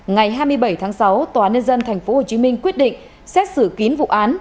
ngày hai mươi bảy tháng sáu tòa nhân dân tp hcm quyết định xét xử kín vụ án